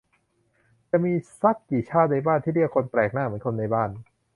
"จะมีซักกี่ชาติในบ้านที่เรียกคนแปลกหน้า เหมือนคนในบ้าน"